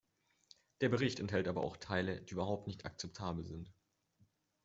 Der Bericht enthält aber auch Teile, die überhaupt nicht akzeptabel sind.